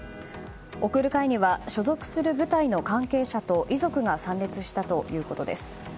送る会には所属する部隊の関係者と遺族が参列したということです。